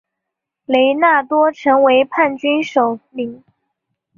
雷纳多成为叛军首领。